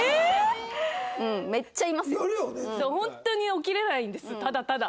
本当に起きれないんですただただ。